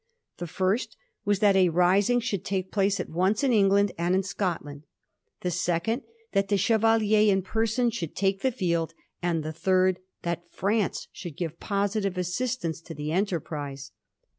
The first was that a rising should take place at once in England and in Scotland, the second that the Chevalier in person should take the field, and the third that France should give positive assistance to the enterprise.